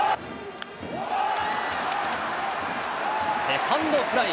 セカンドフライ。